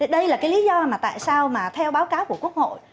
đây là cái lý do mà tại sao mà theo báo cáo của quốc hội